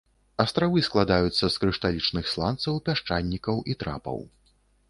Астравы складаюцца з крышталічных сланцаў, пясчанікаў і трапаў.